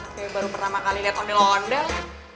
kamu baru pertama kali liat ondel ondel